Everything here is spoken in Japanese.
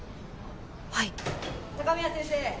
はい・鷹宮先生